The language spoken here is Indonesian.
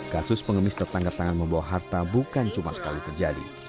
kasus pengemis tertangkap tangan membawa harta bukan cuma sekali terjadi